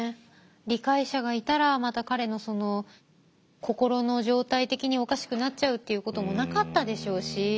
理解者がいたらまた彼のその心の状態的におかしくなっちゃうっていうこともなかったでしょうし。